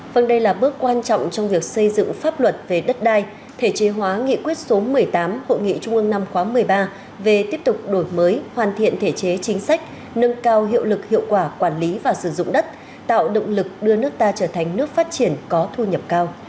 phần đây là bước quan trọng trong việc xây dựng pháp luật về đất đai thể chế hóa nghị quyết số một mươi tám hội nghị trung ương năm khóa một mươi ba về tiếp tục đổi mới hoàn thiện thể chế chính sách nâng cao hiệu lực hiệu quả quản lý và sử dụng đất tạo động lực đưa nước ta trở thành nước phát triển có thu nhập cao